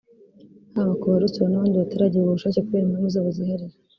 haba ku barusura n’abandi bataragira ubwo bushake kubera impamvu zabo zihariye